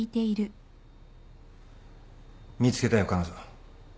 見つけたよ彼女。